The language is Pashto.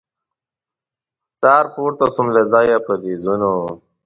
سهار پورته سوم له ځایه په رېزونو